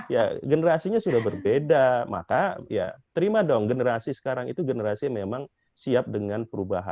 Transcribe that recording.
ya generasinya sudah berbeda maka ya terima dong generasi sekarang itu generasi yang memang siap dengan perubahan